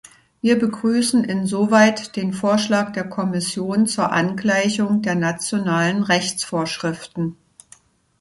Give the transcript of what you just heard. Wir begrüßen insoweit den Vorschlag der Kommission zur Angleichung der nationalen Rechtsvorschriften.